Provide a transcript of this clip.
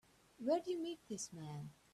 Where'd you meet this man?